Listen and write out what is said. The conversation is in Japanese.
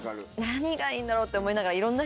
何がいいんだろう？って思いながら。